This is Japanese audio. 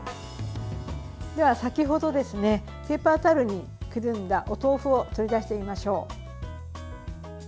では先程ペーパータオルにくるんだお豆腐を取り出してみましょう。